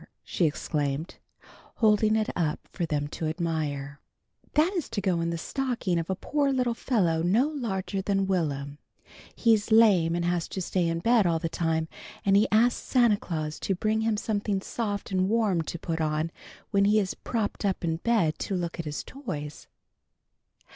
she exclaimed, holding it up for them to admire. "That is to go in the stocking of a poor little fellow no larger than Will'm. He's lame and has to stay in bed all the time, and he asked Santa Claus to bring him something soft and warm to put on when he is propped up in bed to look at his toys."